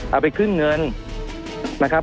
เอาไปขึ้นเงินนะครับ